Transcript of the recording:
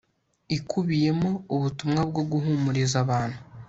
ikubiyemo ubutumwa bwo guhumuriza abantu